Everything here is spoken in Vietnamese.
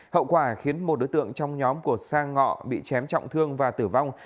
hậu quả khiến một đối tượng trong nhóm của sang ngọ bị chém trọng thương và tử vong